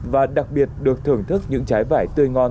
và đặc biệt được thưởng thức những trái vải tươi ngon